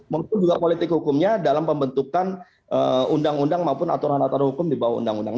maupun juga politik hukumnya dalam pembentukan undang undang maupun aturan aturan hukum di bawah undang undang